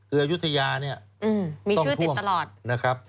คืออายุทยาเนี่ยมีชื่อติดตลอดนะครับ